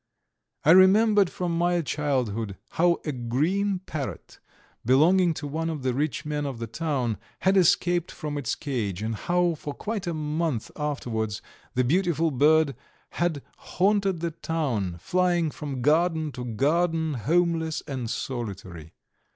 I remembered from my childhood how a green parrot, belonging to one of the rich men of the town, had escaped from its cage, and how for quite a month afterwards the beautiful bird had haunted the town, flying from garden to garden, homeless and solitary.